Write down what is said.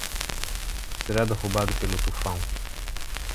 Será derrubado pelo tufão